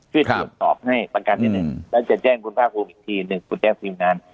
ช่วยถูกตอบให้ประกันที่๑แล้วจะแจ้งคุณภาคภูมิอีกที๑คุณแจ้งทีมงาน